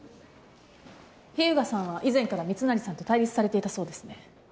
秘羽我さんは以前から密成さんと対立されていたそうですね。